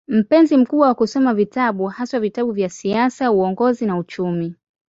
Mpenzi mkubwa wa kusoma vitabu, haswa vitabu vya siasa, uongozi na uchumi.